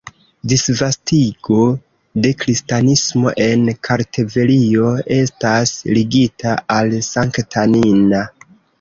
Disvastigo de kristanismo en Kartvelio estas ligita al Sankta Nina.